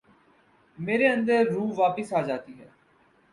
میرے اندر روح واپس آ جاتی ہے ۔